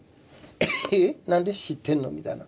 えっ何で知ってんの？みたいな。